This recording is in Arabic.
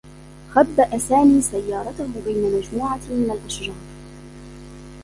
خبّأ سامي سيّارته بين مجموعة من الأشجار.